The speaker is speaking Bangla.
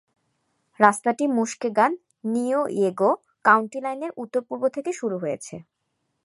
রাস্তাটি মুস্কেগান-নিউয়েগো কাউন্টি লাইনের উত্তর-পূর্ব থেকে শুরু হয়েছে।